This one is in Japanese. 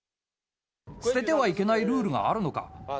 捨ててはいけないルールがあるのか？